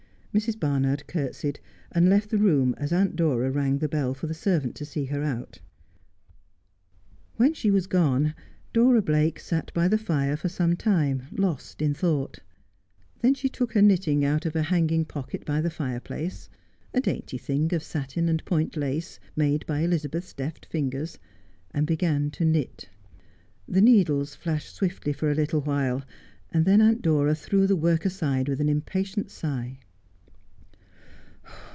Mrs. Barnard curtesied, and left the room as Aunt Dora rang the bell for the servant to see her out. When she was gone, Dora Blake sat by the fire for some time, lost in thought. Then she took her knitting out of a hanging 94 Just as I Am. pocket by the fire place — a dainty thing of satin and point lace, made by Elizabeth's deft fingers— and began to knit. The needles flashed swiftly for a little while, and then Aunt Dora threw the work aside with an impatient sigh.